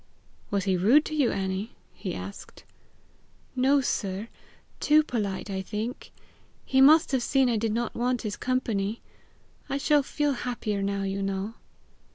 "Was he rude to you, Annie?" he asked. "No, sir too polite, I think: he must have seen I did not want his company. I shall feel happier now you know."